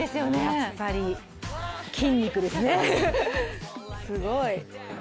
やっぱり筋肉ですね、すごい。